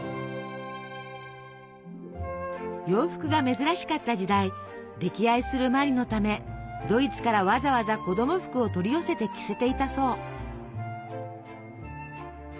洋服が珍しかった時代溺愛する茉莉のためドイツからわざわざ子供服を取り寄せて着せていたそう。